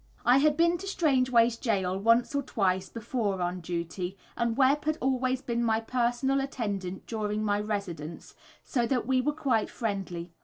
I had been to Strangeways Gaol once or twice before on duty, and Webb had always been my personal attendant during my residence, so that we were quite friendly.